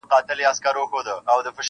جانانه څوک ستا د زړه ورو قدر څه پیژني-